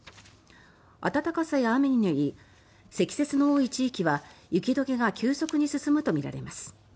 暖かさや雨により積雪の多い地域は雪解けが急速に進むとみられます。